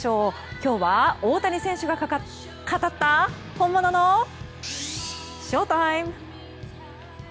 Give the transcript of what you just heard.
今日は大谷選手が語った本物のＳＨＯＴＩＭＥ。